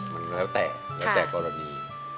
มันแล้วแต่กรณี